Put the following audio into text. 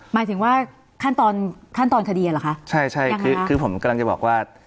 หมายถึงว่าขั้นตอนขั้นตอนคดีอ่ะเหรอคะใช่ใช่คือคือผมกำลังจะบอกว่า